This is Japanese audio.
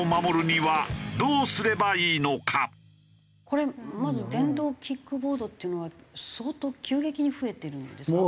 これまず電動キックボードっていうのは相当急激に増えてるんですか？